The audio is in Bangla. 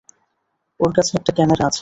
ওর কাছে একটা ক্যামেরা আছে।